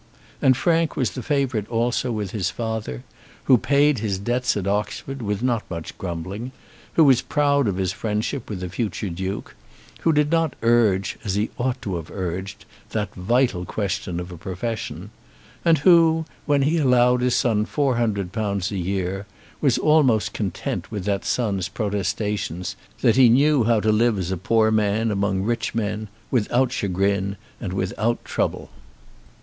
And Frank was the favourite also with his father, who paid his debts at Oxford with not much grumbling; who was proud of his friendship with a future duke; who did not urge, as he ought to have urged, that vital question of a profession; and who, when he allowed his son four hundred pounds a year, was almost content with that son's protestations that he knew how to live as a poor man among rich men, without chagrin and without trouble.